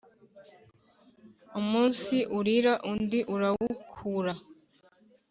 Umunsi urira undi urawukura.